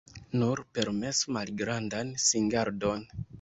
Nur permesu malgrandan singardon.